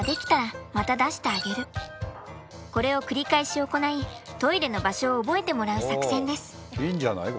これを繰り返し行いトイレの場所を覚えてもらう作戦です。